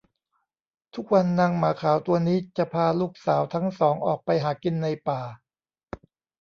ทุกวันนางหมาขาวตัวนี้จะพาลูกสาวทั้งสองออกไปหากินในป่า